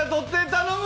頼む！